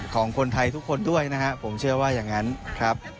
ของคนไทยทุกคนด้วยนะครับผมเชื่อว่าอย่างนั้นครับ